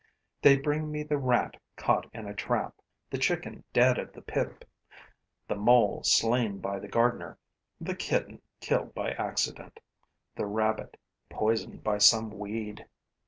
They bring me the rat caught in a trap, the chicken dead of the pip, the mole slain by the gardener, the kitten killed by accident, the rabbit poisoned by some weed.